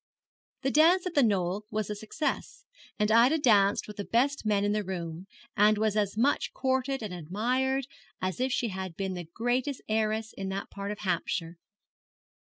The dance at The Knoll was a success, and Ida danced with the best men in the room, and was as much courted and admired as if she had been the greatest heiress in that part of Hampshire.